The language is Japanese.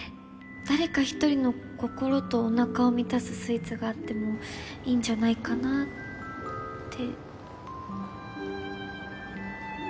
誰か一人の心とおなかを満たすスイーツがあってもいいんじゃないかなって